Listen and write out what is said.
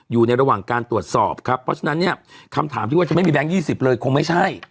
อยู่ในระหว่างการตรวจสอบครับเพราะฉะนั้นเนี่ยคำถามที่ว่าจะไม่มีแก๊ง๒๐เลยคงไม่ใช่